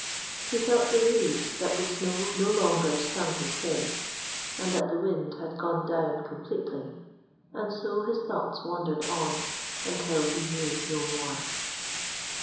He felt relieved that the snow no longer stung his face, and that the wind had gone down completely, and so his thoughts wandered on until he knew no more.